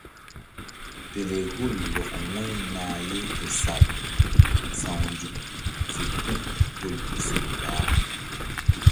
Pelehul rɔk wu̧y nah ye ke sal sawnzuk zo tul bolkusol bah.